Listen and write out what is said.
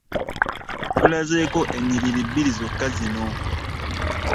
Tulazeeko ennyiriri bbiri zokka zino.